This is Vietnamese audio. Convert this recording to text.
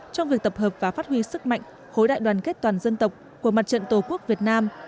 trong việc tập hợp và phát huy sức mạnh khối đại đoàn kết toàn dân tộc của mặt trận tổ quốc việt nam